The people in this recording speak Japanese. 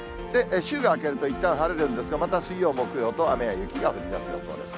週が明けるといったん晴れるんですが、また水曜、木曜と雨や雪が降りだす予報です。